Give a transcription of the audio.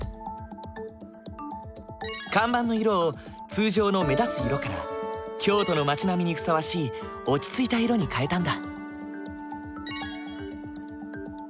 看板の色を通常の目立つ色から京都の町並みにふさわしい落ち着いた色に変えたんだ。